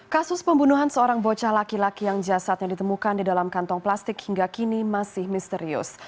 kasus pembunuhan seorang bocah laki laki yang jasadnya ditemukan di dalam kantong plastik hingga kini masih misterius